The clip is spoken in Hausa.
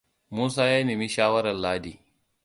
Musa ya nemi shawarar Ladi.